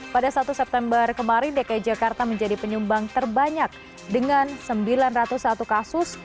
pada satu september kemarin dki jakarta menjadi penyumbang terbanyak dengan sembilan ratus satu kasus